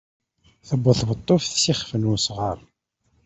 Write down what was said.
Tewweḍ tweṭṭuft s ixef n usɣaṛ.